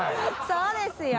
そうですよ